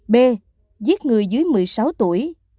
b giết người dưới một mươi sáu tuổi